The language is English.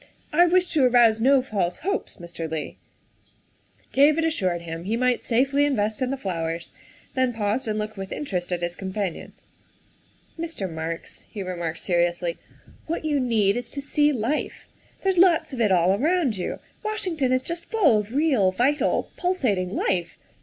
I wish to arouse no false hopes, Mr. Leigh." David assured him he might safely invest in the flowers, then paused and looked with interest at his companion. " Mr. Marks," he remarked seriously, " what you need is to see life. There's lots of it all around you; Washington is just full of real, vital, pulsating life.